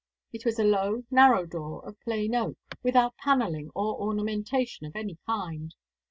It was a low narrow door, of plain oak, without panelling or ornamentation of any kind.